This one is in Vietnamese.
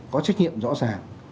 có trách nhiệm rõ ràng